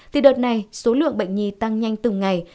thì đợt này số lượng bệnh nhi tăng nhanh từng ngày